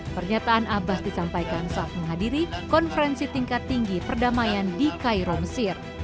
pernyataan abbas disampaikan saat menghadiri konferensi tingkat tinggi perdamaian di cairo mesir